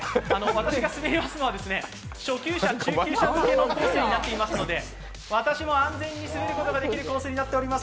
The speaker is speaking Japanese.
私が滑りますのは初級者、中級者のコースになっていますので、私も安全に滑ることができるコースになっております。